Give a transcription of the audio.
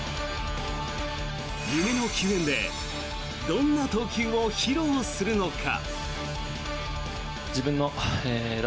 夢の球宴でどんな投球を披露するのか？